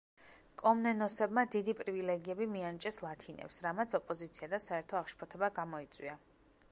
კომნენოსებმა დიდი პრივილეგიები მიანიჭეს ლათინებს, რამაც ოპოზიცია და საერთო აღშფოთება გამოიწვია.